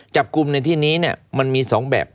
จับกลุ่มในที่นี้มันมี๒แบบ